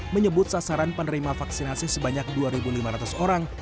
menyebut sasaran penerima vaksinasi sebanyak dua lima ratus orang